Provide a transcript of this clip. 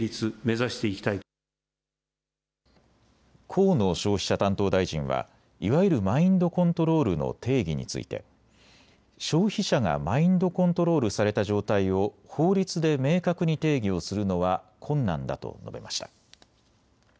河野消費者担当大臣はいわゆるマインドコントロールの定義について消費者がマインドコントロールされた状態を法律で明確に定義をするのは困難だと述べました。